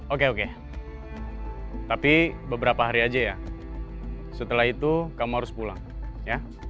oke oke tapi beberapa hari aja ya setelah itu kamu harus pulang ya